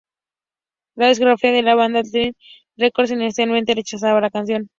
La discográfica de la banda Atlantic Records inicialmente rechaza la canción.